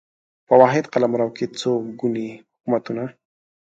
په واحد قلمرو کې څو ګوني حکومتونه